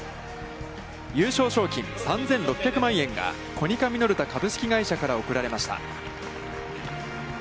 優勝賞金３６００万円がコニカミノルタ株式会社から贈られました。